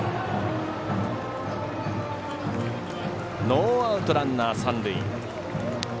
ノーアウト、ランナー、三塁。